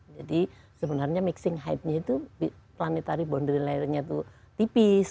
jadi sebenarnya mixing height nya itu planetary boundary layer nya itu tipis